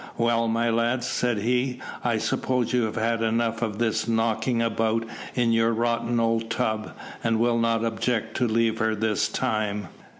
"Well, my lads," said he, "I suppose you have had enough of this knocking about in your rotten old tub, and will not object to leave her this time.